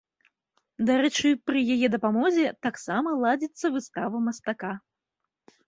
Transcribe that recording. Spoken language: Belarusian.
Дарэчы, пры яе дапамозе таксама ладзіцца выстава мастака.